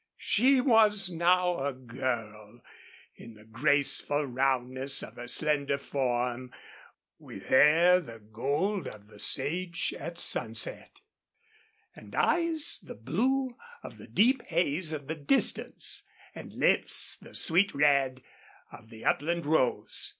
She was now a girl in the graceful roundness of her slender form, with hair the gold of the sage at sunset, and eyes the blue of the deep haze of distance, and lips the sweet red of the upland rose.